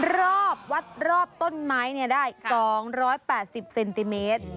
รอบวัดรอบต้นไม้ได้๒๘๐เซนติเมตร